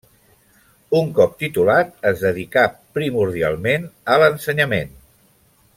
Un cop titulat es dedicà primordialment a l'ensenyament.